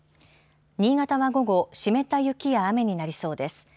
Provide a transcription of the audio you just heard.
新潟は、午後湿った雪や雨になりそうです。